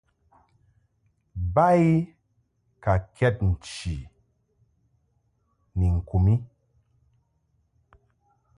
Ba I ka kɛd nchi ni ŋku mi.